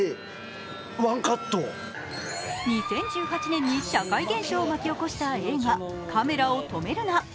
２０１８年に社会現象を沸き起こした映画「カメラを止めるな！」。